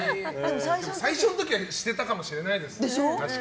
最初の時はしてたかもしれないです。